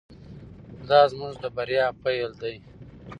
دا زموږ د بریا پیل دی.